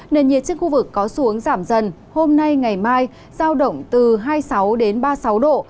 nền nhiệt trên khu vực có xuống giảm dần hôm nay ngày mai giao động từ hai mươi sáu đến ba mươi sáu độ